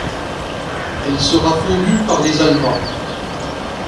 Elle sera fondue par les Allemands.